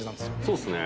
そうっすね